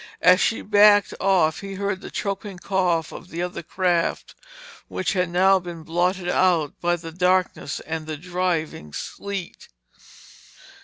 As she backed off he heard the choking cough of the other craft which had now been blotted out by the darkness and driving sleet.